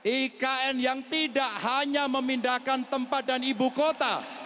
ikn yang tidak hanya memindahkan tempat dan ibu kota